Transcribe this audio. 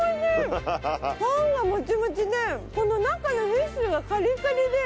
パンがもちもちでこの中のフィッシュがカリカリで。